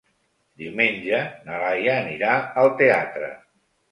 Diumenge na Laia anirà al teatre.